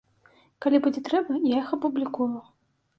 Калі будзе трэба, я іх апублікую.